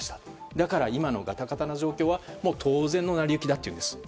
だから、今のガタガタな状況は当然の成り行きだというんです。